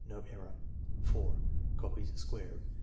(No error.) 4. Copies square.